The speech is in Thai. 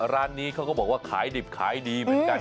ร้านนี้เขาก็บอกว่าขายดิบขายดีเหมือนกัน